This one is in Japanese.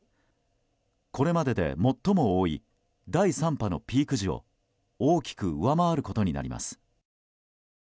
これまでで最も多い第３波のピーク時を大きく上回ることになります。